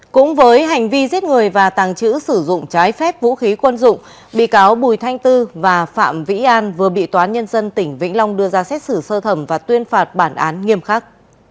cũng với hành vi giết người và tàng trữ sử dụng trái phép vũ khí quân dụng bị cáo bùi thanh tư và phạm vĩ an vừa bị toán nhân dân tỉnh vĩnh long đưa ra xét xử sơ thẩm và tuyên phạt bản án nghiêm khắc